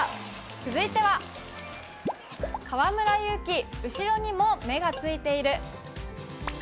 続いては、河村勇輝、後ろにも目がついている。